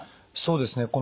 そうですね。